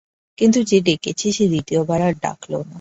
কিন্তু যে ডেকেছে সে দ্বিতীয়বার আর ডাকল না।